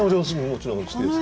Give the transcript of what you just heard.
もちろん好きです。